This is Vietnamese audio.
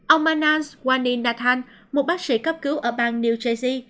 ông manas wanindathan một bác sĩ cấp cứu ở bang new jersey